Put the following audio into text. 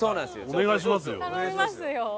お願いしますよ。